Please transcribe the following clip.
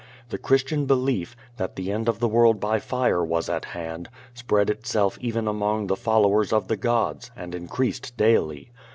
The Christian belief, that the end of the world by fire was at hand, spread itself even among the followers of the gods, and increased daily.